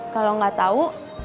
kalo gak tau